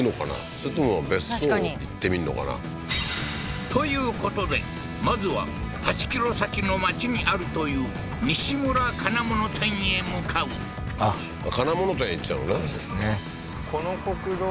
それとも別荘行ってみんのかな？ということでまずは８ｋｍ先の町にあるというニシムラ金物店へ向かうあっ金物店へ行っちゃうのねですね